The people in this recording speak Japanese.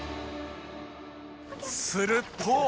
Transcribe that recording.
すると